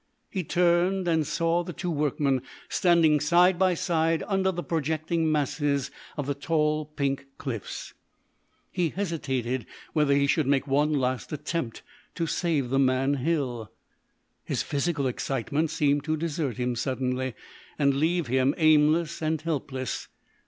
He turned, and saw the two workmen standing side by side under the projecting masses of the tall pink cliffs. He hesitated whether he should make one last attempt to save the man Hill. His physical excitement seemed to desert him suddenly, and leave him aimless and helpless.